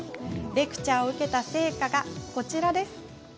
レクチャーを受けた成果がこちらです。